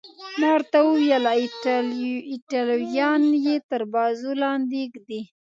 ما ورته وویل: ایټالویان یې تر بازو لاندې ږدي.